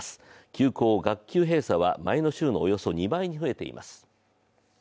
休校・学級閉鎖は前の週のおよそ２倍に増えています